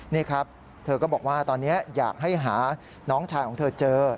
นี่ครับเธอก็บอกว่าตอนนี้อยากให้หาน้องชายของเธอเจอ